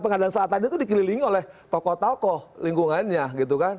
pengadilan selatan itu dikelilingi oleh tokoh tokoh lingkungannya gitu kan